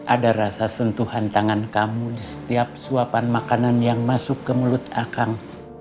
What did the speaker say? ada rasa sentuhan tangan kamu di setiap suapan makanan yang masuk ke mulut akang